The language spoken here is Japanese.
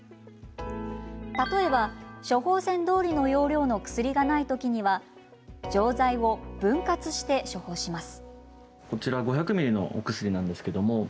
例えば、処方箋どおりの用量の薬がない時には錠剤を分割して処方します。